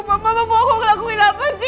mama mau aku lakuin apa sih